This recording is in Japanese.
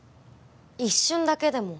一瞬だけでも